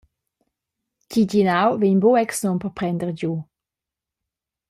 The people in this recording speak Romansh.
Giginau vegn buc exnum per prender giu.